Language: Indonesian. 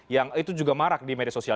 yang itu juga marak di media sosial